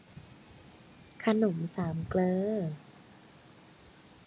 ขนมสามเกลอ